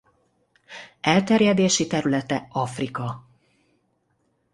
Elterjedési területe Afrika.